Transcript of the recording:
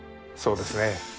そうですね。